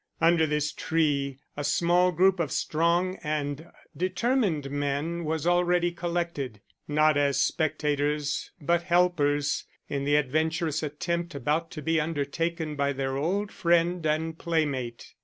Under this tree a small group of strong and determined men was already collected; not as spectators but helpers in the adventurous attempt about to be undertaken by their old friend and playmate.